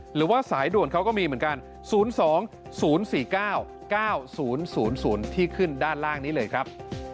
หรือว่าสายด่วนเขาก็มีเหมือนกัน๐๒๐๔๙๙๐๐ที่ขึ้นด้านล่างนี้เลยครับ